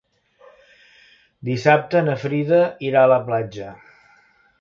Dissabte na Frida irà a la platja.